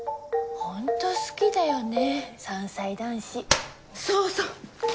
ホント好きだよね山菜男子。そうそう！